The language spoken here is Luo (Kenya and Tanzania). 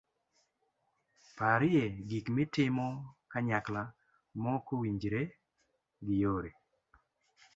parye gik mitimo kanyakla mokowinjre gi yore